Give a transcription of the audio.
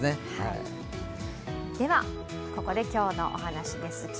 ではここで今日のお話です。